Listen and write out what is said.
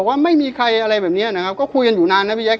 อะไรแบบเนี้ยนะครับก็คุยกันอยู่นานนะพี่แจ๊ค